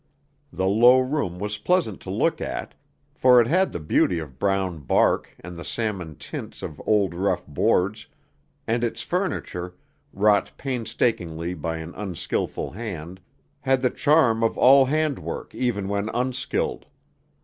The low room was pleasant to look at, for it had the beauty of brown bark and the salmon tints of old rough boards, and its furniture, wrought painstakingly by an unskillful hand, had the charm of all handwork even when unskilled.